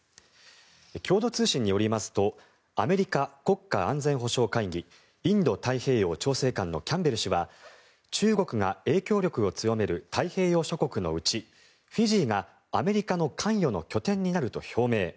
共同通信によりますとアメリカ国家安全保障会議インド太平洋調整官のキャンベル氏は中国が影響力を強める太平洋諸国のうちフィジーがアメリカの関与の拠点になると表明。